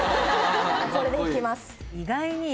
これでいきます